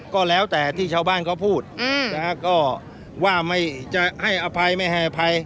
ก็แล้วแต่ที่ชาวบ้านเขาพูดนะฮะก็ว่าไม่จะให้อภัยไม่ให้อภัย